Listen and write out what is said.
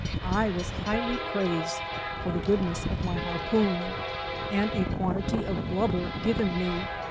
I was highly praised for the goodness of my harpoon, and a quantity of blubber given me.